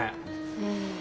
うん。